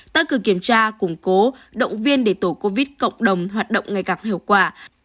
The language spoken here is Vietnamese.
tác cử kiểm tra củng cố động viên để tổ covid cộng đồng hoạt động ngày càng hiệu quả